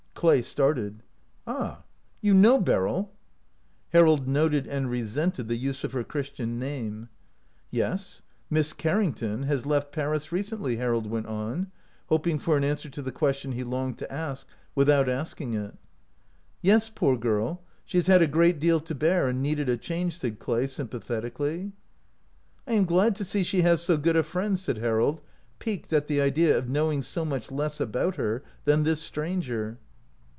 Clay started. "Ah, you know Beryl ?" Harold noted and resented the use of her Christian name. " Yes, Miss Carrington has left Paris re cently," Harold went on, hoping for an answer to the question he longed to ask, without asking it. " Yes, poor girl, she has had a great deal to bear, and needed a change," said Clay, sympathetically. "I am glad to see she has so good a friend," said Harold, piqued at the idea of knowing so much less about her than this stranger.